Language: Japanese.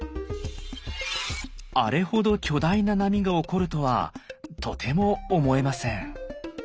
あれほど巨大な波が起こるとはとても思えません。